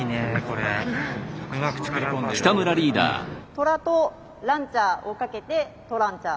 トラとランチャーをかけてトランチャー。